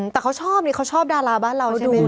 แต่เขาชอบนี่เขาชอบดาราบ้านเราใช่ไหม